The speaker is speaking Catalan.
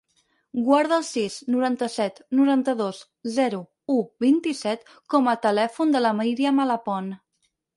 Guarda el sis, noranta-set, noranta-dos, zero, u, vint-i-set com a telèfon de la Míriam Alapont.